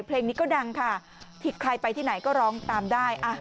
เพลงนี้ก็ดังค่ะใครไปที่ไหนก็ร้องตามได้